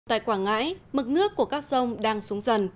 tại quảng ngãi mực nước của các sông đang xuống dần